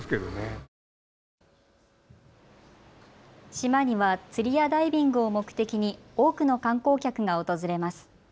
島には釣りやダイビングを目的に多くの観光客が訪れます。